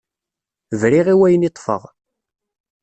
Briɣ i wayen i ṭṭfeɣ.